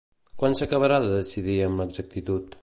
Quan s'acabarà de decidir amb exactitud?